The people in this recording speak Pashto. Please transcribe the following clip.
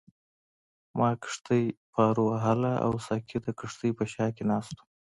ما کښتۍ پارو وهله او ساقي د کښتۍ په شا کې ناست وو.